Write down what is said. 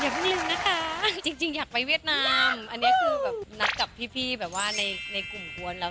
เพิ่งลืมนะคะจริงอยากไปเวียดนามอันนี้คือแบบนัดกับพี่แบบว่าในกลุ่มกวนแล้ว